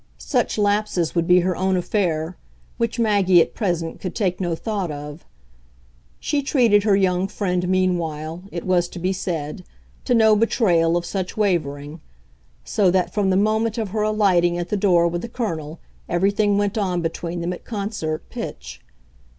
Such lapses would be her own affair, which Maggie at present could take no thought of. She treated her young friend meanwhile, it was to be said, to no betrayal of such wavering; so that from the moment of her alighting at the door with the Colonel everything went on between them at concert pitch.